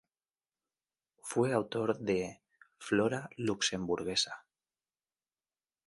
Fue autor de "Flora luxemburguesa".